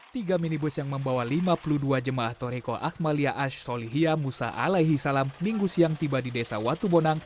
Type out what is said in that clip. tiga minibus yang membawa lima puluh dua jemaah toriko akmalia ash solihya musa alaihi salam minggu siang tiba di desa watubonang